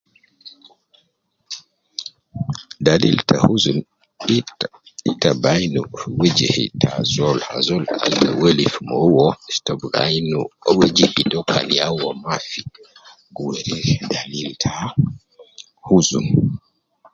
Dalil ta huzun, ita, ita bi ain fi wijihi te azol, azol kan welif mo uwo, ita bi ain wajihi to kan ya uwo mafi, gi weri dalil ,ta huzun